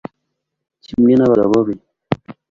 Kimwe nabagabo be